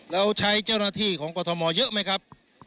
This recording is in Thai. แล้วใช้เจ้าหน้าที่ของกรทมเยอะไหมครับ